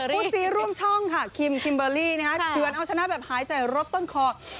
ซีร่วมช่องค่ะคิมคิมเบอร์รี่เฉือนเอาชนะแบบหายใจรถต้นคอ